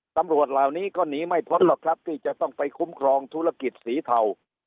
ตำรวจเหล่านี้ก็หนีไม่พ้นหรอกครับที่จะต้องไปคุ้มครองธุรกิจสีเทา